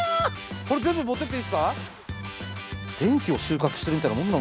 これ全部持ってっていいんですか？